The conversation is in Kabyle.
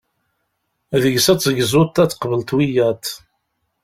Deg-s ad tegzuḍ, ad tqebleḍ wiyaḍ.